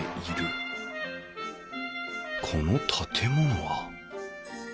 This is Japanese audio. この建物は？